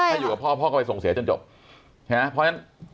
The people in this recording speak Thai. ถ้าอยู่กับพ่อพ่อก็ไปส่งเสียจนจบใช่ไหมเพราะฉะนั้น